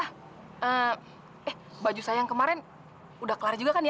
eh baju saya yang kemarin udah kelar juga kan ya